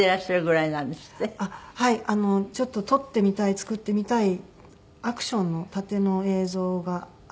ちょっと撮ってみたい作ってみたいアクションの殺陣の映像があって。